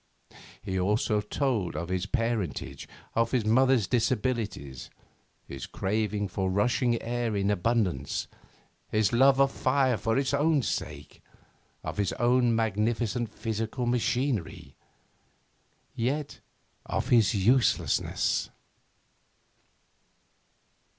He told also of his parentage, of his mother's disabilities, his craving for rushing air in abundance, his love of fire for its own sake, of his magnificent physical machinery, yet of his uselessness.